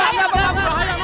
wah ya pak